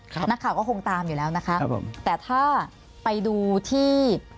ครับนักข่าวก็คงตามอยู่แล้วนะคะแต่ถ้าไปดูที่